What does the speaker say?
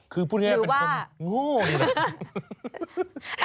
คือพูดแรงน่ะเป็นคนโง่เลยหรอหรือว่า